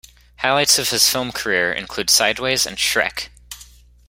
Highlights of his film career include "Sideways" and "Shrek".